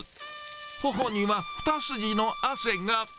ほおには２筋の汗が。